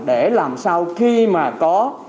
để làm sao khi mà có